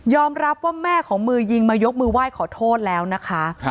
รับว่าแม่ของมือยิงมายกมือไหว้ขอโทษแล้วนะคะ